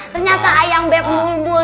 ternyata ayang bebek mulbul